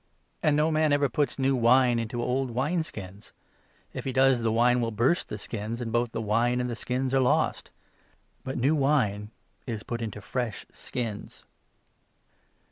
And no man ever puts new wine into old wine skins ; 22 if he does, the wine will burst the skins, and both the wine and the skins are lost. But new wine is put into fresh skins."